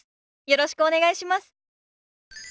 よろしくお願いします。